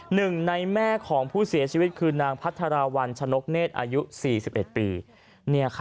หนึ่งในแม่ของผู้เสียชีวิตคือนางพัทราวัลชนกเนธอายุ๔๑ปี